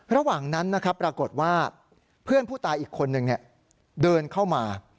ระหว่างนั้นนะครับปรากฏว่าเพื่อนผู้ตายอีกคนนึงเดินเข้ามา